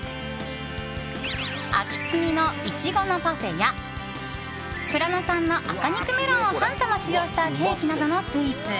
秋摘みのイチゴのパフェや富良野産の赤肉メロンを半玉使用したケーキなどのスイーツ